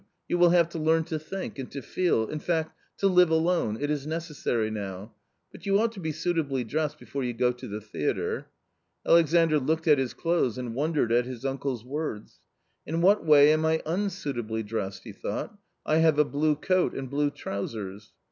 You will have to learn to think, and to feel, in fact to live alone ; it is necessary now. But you pjLijj&kJx^be suit ably p ressed before you go tO .the tneatre." Alexandr looked at his clothes and wondered at his uncle's words. " In what way am I unsuitably dressed ?" he thought, " I have a blue coat and blue trousers.